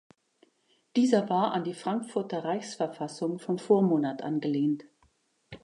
Dieser war an die Frankfurter Reichsverfassung vom Vormonat angelehnt.